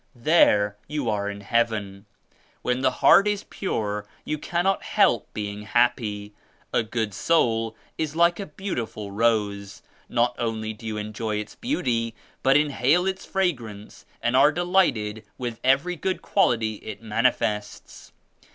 There you are in Heaven. When the heart is pure you cannot help being happy. A good soul is like a beautiful rose. Not only do you enjoy its beauty but inhale its fragrance and are delighted with every good quality it manifests."